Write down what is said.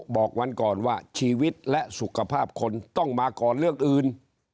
บอกวันก่อนว่าชีวิตและสุขภาพคนต้องมาก่อนเรื่องอื่น